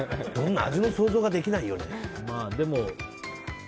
味の想像ができないよね。